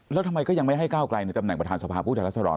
แล้วทำไมก็ยังไม่ให้ก้าวกลายในตำแหน่งประธานสภาพุทธรรษรรณ